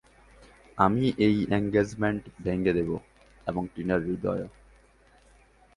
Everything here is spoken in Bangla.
আমি এই এনগেজমেন্ট ভেঙে দেব, এবং টিনার হৃদয়ও।